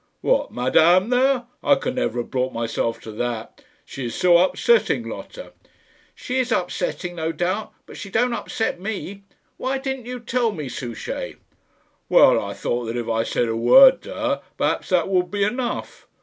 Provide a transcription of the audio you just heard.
"What, Madame there? I could never have brought myself to that; she is so upsetting, Lotta." "She is upsetting, no doubt; but she don't upset me. Why didn't you tell me, Souchey?" "Well, I thought that if I said a word to her, perhaps that would be enough.